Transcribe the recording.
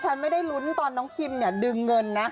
ฉันไม่ได้ลุ้นตอนน้องคิมเนี่ยดึงเงินนะ